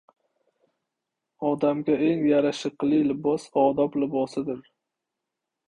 • Odamga eng yarashiqli libos — odob libosidir.